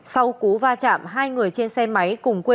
sau cú va chạm hai người trên xe máy cùng quê